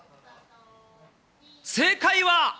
正解は。